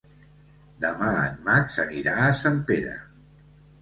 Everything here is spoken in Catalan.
Demà en Max anirà a Sempere.